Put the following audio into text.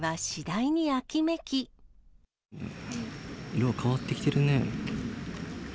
色変わってきてるね。